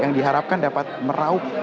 yang diharapkan dapat meraup